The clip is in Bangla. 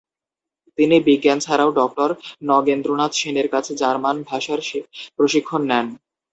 তিনি বিজ্ঞান ছাড়াও ডক্টর নগেন্দ্রনাথ সেনের কাছে জার্মান ভাষার প্রশিক্ষণ নেন।